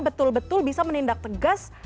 betul betul bisa menindak tegas